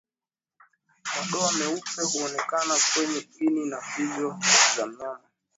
Madoa meupe huonekana kwenye ini na figo za mnyama